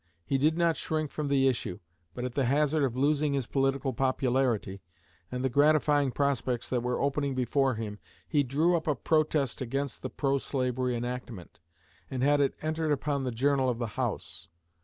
He did not shrink from the issue, but at the hazard of losing his political popularity and the gratifying prospects that were opening before him he drew up a protest against the pro slavery enactment and had it entered upon the Journal of the House.